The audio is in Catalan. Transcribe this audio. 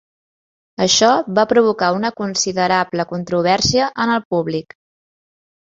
Això va provocar una considerable controvèrsia en el públic.